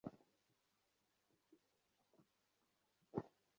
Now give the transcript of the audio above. কোন ধর্মই মন্দ নহে, কারণ সকল ধর্মেরই সারভাগ একই প্রকার।